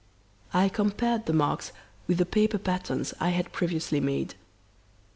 I compared the marks with the paper patterns I had previously made.